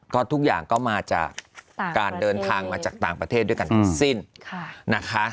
ก็ทุกอย่างก็มาจากการเดินทางมาจากต่างประเทศด้วยกันทั้งสิ้นนะคะ